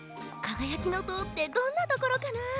「かがやきのとう」ってどんなところかな？